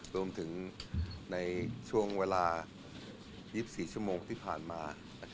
รวมถึงในช่วงเวลา๒๔ชั่วโมงที่ผ่านมา